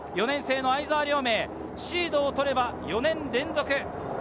４年生の相澤龍明、シードを取れば４年連続。